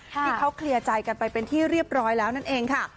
ที่เขาเคลียร์ใจกันไปเป็นที่เรียบร้อยแล้วนั่นเองค่ะ